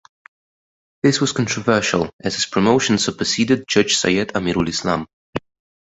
This was controversial as his promotion superseded Judge Syed Amirul Islam.